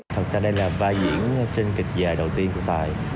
thật ra đây là vai diễn trên kịch dài đầu tiên của tài